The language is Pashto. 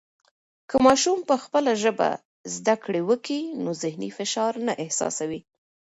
که ماشوم په خپله ژبه زده کړه و کي نو ذهني فشار نه احساسوي.